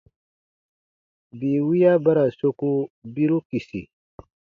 Bii wiya ba ra soku biru kisi.